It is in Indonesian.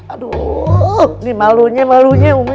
aduh malunya malunya rumi